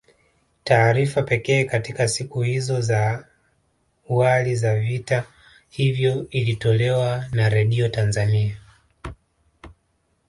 Taarifa pekee katika siku hizo za wali za vita hivyo ilitolewa na Redio Tanzania